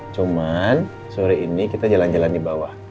cuman sore ini kita jalan jalan di bawah